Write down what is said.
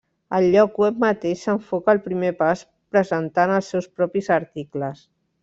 El lloc web mateix s'enfoca al primer pas presentant els seus propis articles.